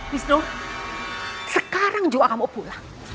wisnu sekarang juga kamu pulang